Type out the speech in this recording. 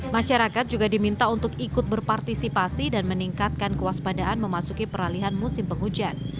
masyarakat juga diminta untuk ikut berpartisipasi dan meningkatkan kewaspadaan memasuki peralihan musim penghujan